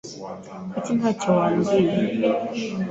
Kuki ntacyo wabwiye ?